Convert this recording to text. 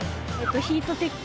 ヒートテック